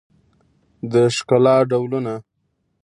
د ښکلا ډولونه